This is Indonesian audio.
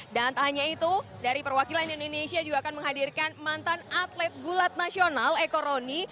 dan hanya itu dari perwakilan indonesia juga akan menghadirkan mantan atlet gulat nasional eko roni